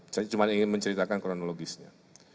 saya cuma ingin menceritakan kronologisnya